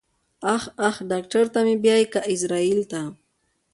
اخ اخ ډاکټر ته مې بيايې که ايزرايل ته.